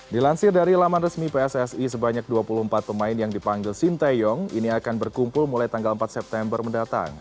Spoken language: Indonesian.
dilansir dari laman resmi pssi sebanyak dua puluh empat pemain yang dipanggil sinteyong ini akan berkumpul mulai tanggal empat september mendatang